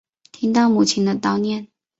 听到母亲的叨念